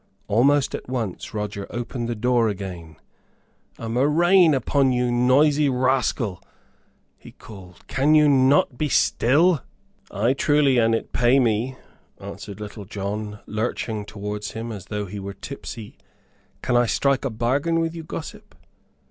Almost at once Roger opened the door again. "A murrain upon you, noisy rascal," he called; "can you not be still?" "Ay, truly, an it pay me," answered Little John, lurching towards him, as though he were tipsy. "Can I strike a bargain with you, gossip?"